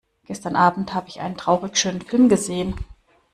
Gestern Abend habe ich einen traurigschönen Film gesehen.